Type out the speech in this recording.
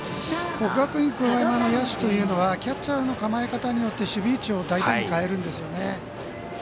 国学院久我山の野手というのはキャッチャーの構え方によって守備位置を大胆に変えるんですよね。